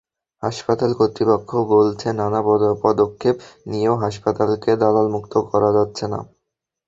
হাসপাতাল কর্তৃপক্ষ বলছে, নানা পদক্ষেপ নিয়েও হাসপাতালকে দালালমুক্ত করা যাচ্ছে না।